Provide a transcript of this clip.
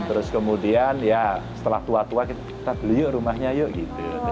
terus kemudian ya setelah tua tua kita beli yuk rumahnya yuk gitu